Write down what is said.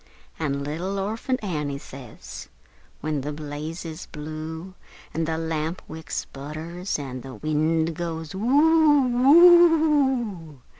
An' little Orphant Annie says, when the blaze is blue, An' the lamp wick sputters, an' the wind goes woo oo!